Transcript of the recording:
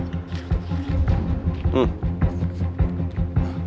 อืม